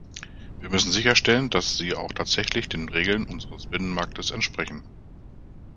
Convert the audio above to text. Wir müssen sicherstellen, dass sie auch tatsächlich den Regeln unseres Binnenmarktes entsprechen.